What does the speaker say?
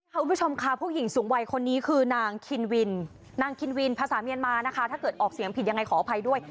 คุณผู้ชมค่ะผู้หญิงสูงวัยคนนี้คือนางคินวินนางคินวินภาษาเมียนมานะคะถ้าเกิดออกเสียงผิดยังไงขออภัยด้วย